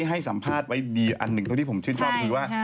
ให้สัมภาษณ์ไว้ดีอันหนึ่งเท่าที่ผมชื่นชอบคือว่า